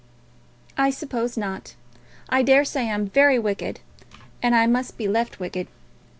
"I suppose not. I daresay I'm very wicked, and I must be left wicked.